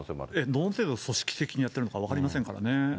どの程度、組織的にやってるのか分かりませんけどね。